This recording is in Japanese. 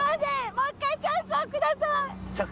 もう１回チャンスをください。